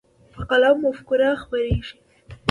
په قلم مفکوره خپرېږي.